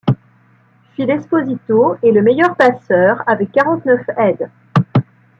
Phil Esposito est le meilleur passeur avec quarante-neuf aides.